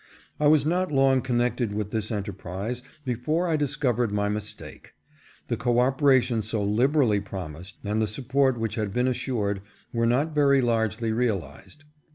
I was not long connected with this enterprise before I discovered my mistake. The cooperation so liberally promised, and the support which had been assured, were not very largely realized.